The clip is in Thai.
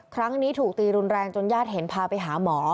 ครั้งนี้ถูกตีรุนแรงจนญาติเห็นพาไปหาหมอ